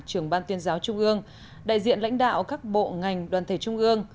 trưởng ban tuyên giáo trung ương đại diện lãnh đạo các bộ ngành đoàn thể trung ương